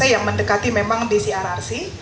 yang mendekati memang di crrc